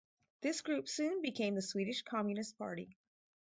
This group soon became the Swedish Communist Party.